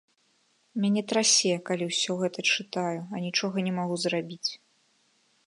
Мяне трасе, калі ўсё гэта чытаю, а нічога не магу зрабіць.